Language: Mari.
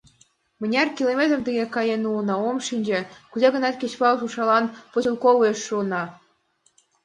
Мыняр километрым тыге каен улына — ом шинче, кузе-гынат кечывал шушашлан Поселковыйыш шуынна.